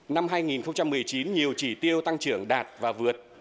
năm hai nghìn một mươi chín nhiều chỉ tiêu tăng trưởng đạt và vượt